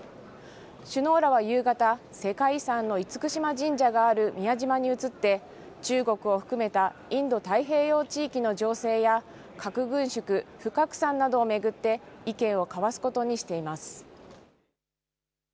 首脳らは夕方、世界遺産の厳島神社がある宮島に移って中国を含めたインド太平洋地域の情勢や核軍縮・不拡散などを巡って意見を交わすことにしています。